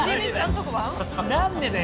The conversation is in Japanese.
何でだよ！